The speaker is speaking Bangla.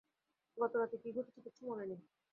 গত রাতে কী ঘটেছে কিচ্ছু মনে নেই।